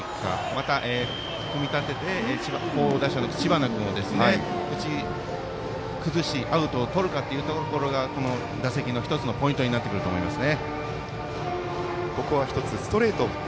また、組み立てて好打者の知花君を打ち崩しアウトをとるかというところがこの打席の１つのポイントになってくると思います。